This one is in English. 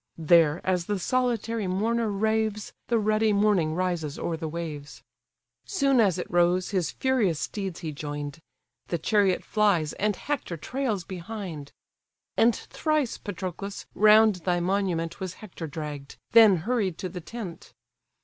There as the solitary mourner raves, The ruddy morning rises o'er the waves: Soon as it rose, his furious steeds he join'd! The chariot flies, and Hector trails behind. And thrice, Patroclus! round thy monument Was Hector dragg'd, then hurried to the tent.